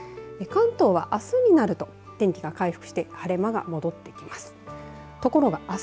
関東は、あすになると天気が回復して晴れ間が戻ってきます。